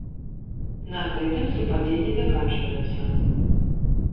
На гэтым супадзенні заканчваюцца.